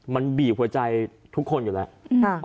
มันบีบหัวใจทุกคนอยู่แล้ว